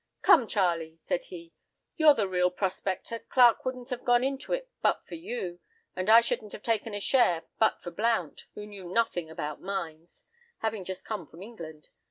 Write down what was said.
"Come, Charlie," said he, "you're the real prospector, Clarke wouldn't have gone into it but for you, and I shouldn't have taken a share but for Blount, who knew nothing about mines, having just come from England.